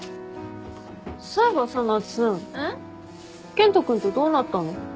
健人君とどうなったの？